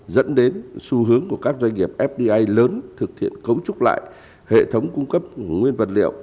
dẫn đến xu hướng của các doanh nghiệp fdi lớn thực hiện cấu trúc lại hệ thống cung cấp nguyên vật liệu